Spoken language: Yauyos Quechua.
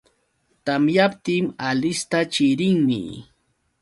Tamyaptin Alista chirinmi